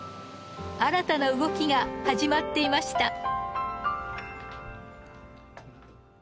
新たな動きが始まっていました。